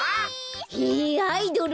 へえアイドル？